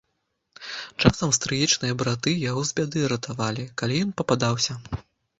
Часам стрыечныя браты яго з бяды ратавалі, калі ён пападаўся.